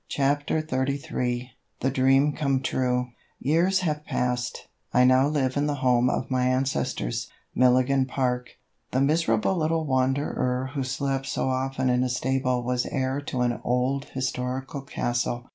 CHAPTER XXXIII THE DREAM COME TRUE Years have passed. I now live in the home of my ancestors, Milligan Park. The miserable little wanderer who slept so often in a stable was heir to an old historical castle.